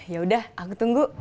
yaudah aku tunggu